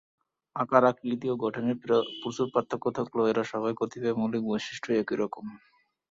আকার, আকৃতি ও গঠনে প্রচুর পার্থক্য থাকলেও এরা সবাই কতিপয় মৌলিক বৈশিষ্ট্য একই রকম।